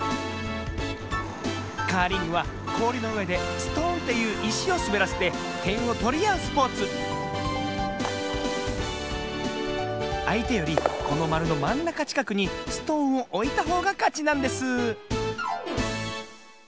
カーリングはこおりのうえでストーンっていういしをすべらせててんをとりあうスポーツあいてよりこのまるのまんなかちかくにストーンをおいたほうがかちなんです